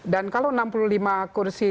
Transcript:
kalau enam puluh lima kursi